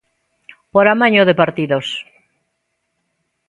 Por amaño de partidos.